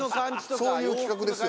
そういう企画ですよね。